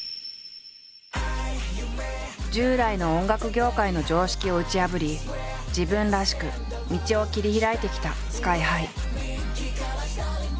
従来の音楽業界の常識を打ち破り自分らしく道を切り開いてきたＳＫＹ−ＨＩ。